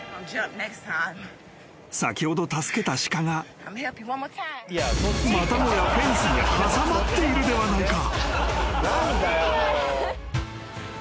［先ほど助けた鹿がまたもやフェンスに挟まっているではないか］